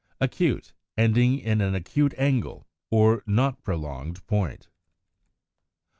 Acute, ending in an acute angle or not prolonged point; Fig.